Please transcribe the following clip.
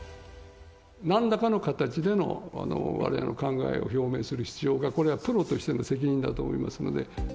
なんらかの形でのわれわれの考えを表明する必要が、これはプロとしての責任だと思いますので。